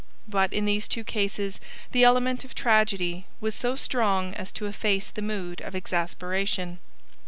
But in these two cases the element of tragedy was so strong as to efface the mood of exasperation.